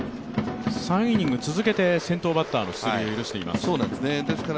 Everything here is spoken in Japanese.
３イニング続けて先頭バッターの出塁を許しています。